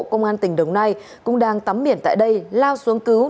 công an tỉnh đồng nai cũng đang tắm biển tại đây lao xuống cứu